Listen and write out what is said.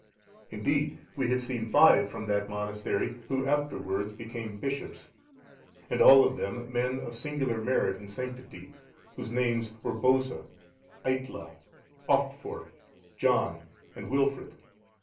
Indeed we have seen five from that monastery who afterwards became bishops, and all of them men of singular merit and sanctity, whose names were Bosa,(692) Aetla,(693) Oftfor,(694) John,(695) and Wilfrid.